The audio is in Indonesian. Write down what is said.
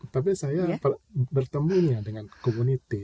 tapi saya bertemunya dengan community